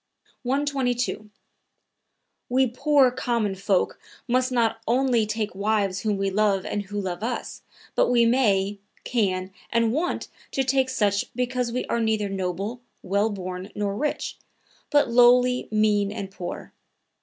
122. "We poor, common folk must not only take wives whom we love and who love us, but we may, can and want to take such because we are neither noble, well born nor rich, but lowly, mean and poor.